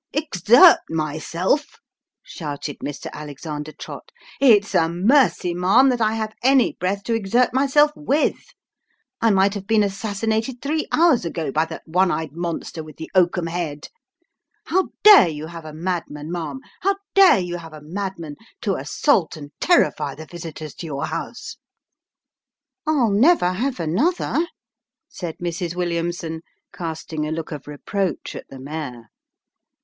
"Exert myself!" shouted Mr. Alexander Trott, "it's a mercy, ma'am, that I have any breath to exert myself with ! I might have been assassinated three hours ago by that one eyed monster with the oakum head. How dare you have a madman, ma'am how dare you have a madman, to assault and terrify the visitors to your house ?"" I'll never have another," said Mrs. Williamson, casting a look of reproach at the mayor.